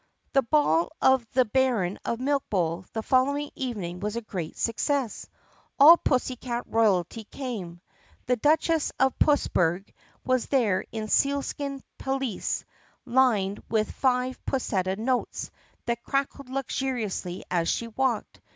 The ball of the Baron of Milkbowl the following evening was a great success. All pussycat royalty came. The Duch ess of Pussburgh was there in a sealskin pelisse lined with five pusseta notes that crackled luxuriously as she walked.